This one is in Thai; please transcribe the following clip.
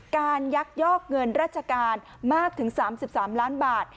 ยักยอกเงินราชการมากถึง๓๓ล้านบาท